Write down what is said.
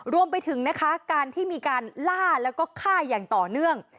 รวมไปถึงการที่มีการล่าและค่ายอย่างต่อเนื่อง